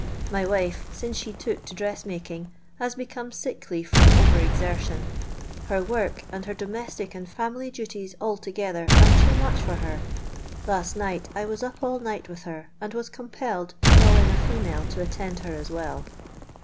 Hy wife, since she took to dressmaking, has become sickly from over exenion. Her work, and her domestic and family duties altogether, are too much for her. Last night I was np all night with her, and was compelled to call in a female to attend lier as well.